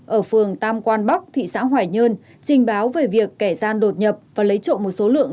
ở phường tam quan bắc thị xã hoài nhơn trình báo về việc kẻ gian đột nhập và lấy trộm một số lượng